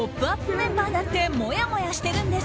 メンバーだってもやもやしてるんです！